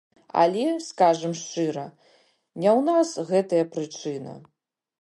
Але, скажам шчыра, не ў нас гэтая прычына.